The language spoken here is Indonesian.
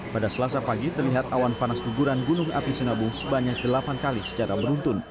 pada selasa pagi terlihat awan panas guguran gunung api sinabung sebanyak delapan kali secara beruntun